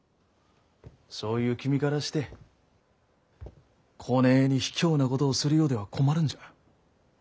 そういう君からしてこねえに卑怯なことをするようでは困るんじゃ。